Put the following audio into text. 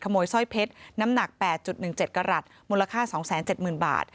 ขโมยสร้อยเพชรน้ำหนัก๘๑๗กรัฐมูลค่า๒๗๐๐๐บาท